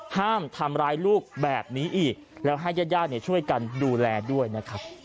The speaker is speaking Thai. ห้ามทำร้ายลูกแบบนี้อีกแล้วให้ญาติญาติช่วยกันดูแลด้วยนะครับ